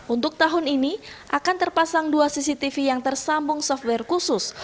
untuk tahun ini akan terpasang dua cctv yang tersambung software khusus